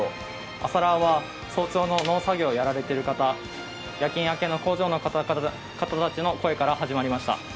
朝ラーは早朝の農作業をやられている方や夜勤明けの工場の方たちの声から始まりました。